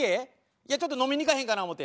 いやちょっと飲みに行かへんかな思て。